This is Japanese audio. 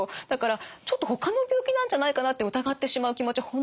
だからちょっとほかの病気なんじゃないかなって疑ってしまう気持ち